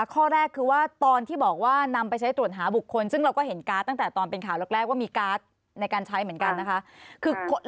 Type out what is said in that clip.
ข้อแรกคือว่าตอนที่บอกว่านำไปใช้ตรวจหาบุคคลซึ่งเราก็เห็นการ์ดตั้งแต่ตอนเป็นข่าวแรกว่ามีการ์ดในการใช้เหมือนกันนะคะ